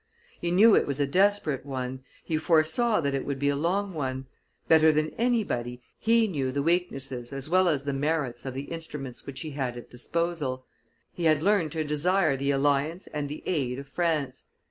He knew it was a desperate one, he foresaw that it would be a long one; better than anybody he knew the weaknesses as well as the merits of the instruments which he had at disposal; he had learned to desire the alliance and the aid of France.